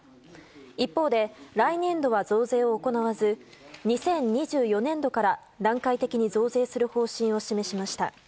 一方で来年度は増税を行わず２０２４年度から段階的に増税する方針を示しました。